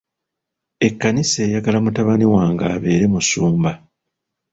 Ekkanisa eyagala mutabani wange abeere omusumba.